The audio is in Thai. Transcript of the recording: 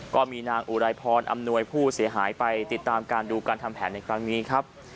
ก็มีนางอุไรพรอำนวยผู้เสียหายไปติดตามการดูการทำแผนในครั้งนี้ครับ